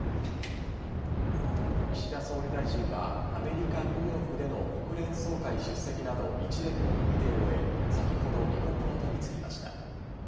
岸田総理大臣はアメリカ・ニューヨークでの国連総会出席など一連の日程を終え先ほど帰国の途につきました。